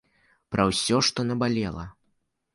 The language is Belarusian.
Пра ўсё, што набалела.